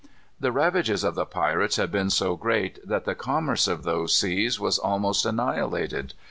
The ravages of the pirates had been so great that the commerce of those seas was almost annihilated.